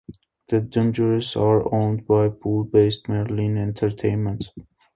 The Dungeons are owned by Poole-based Merlin Entertainments.